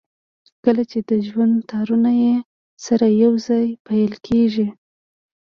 کله چې د ژوند تارونه يې سره يو ځای پييل کېږي.